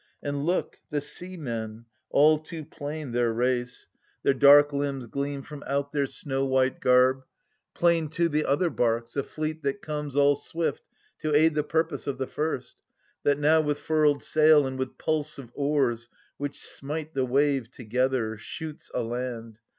And look, the seamen — all too plain their race — 3() THE SUPPLIANT MAIDENS. Their dark limbs gleam from out their snow white garb ; Plain too the other barks, a fleet that comes All swift to aid the purpose of the first, That now, with furled sail and with pulse of oars Which smite the wave together, shoots aland.